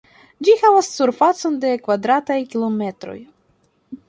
Ĝi havas surfacon de kvadrataj kilometroj.